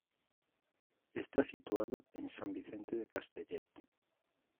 Está situada en San Vicente de Castellet.